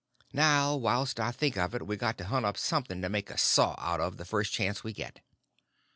Now, whilst I think of it, we got to hunt up something to make a saw out of the first chance we get."